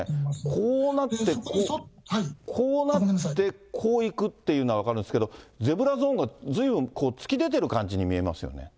こうなって、こう行くっていうのは分かるんですけど、ゼブラゾーンがずいぶん突き出てる感じに見えますよね。